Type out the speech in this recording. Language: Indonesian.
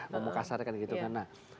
mau kasar kan gitu kan